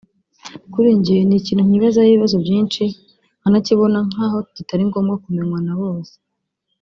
Kuri njye iki kintu nkibazaho ibibazo byinshi nkanakibona nkaho kitari ngommbwa kumenywa na bose